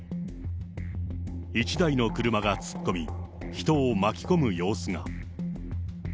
一台の車が突っ込み、人を巻き込む様子が。